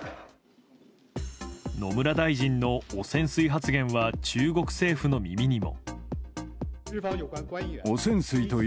野村大臣の汚染水発言は中国政府の耳にも。